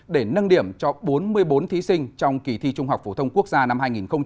để nâng điểm cho bốn mươi bốn thí sinh trong kỳ thi trung học phổ thông quốc gia năm hai nghìn một mươi chín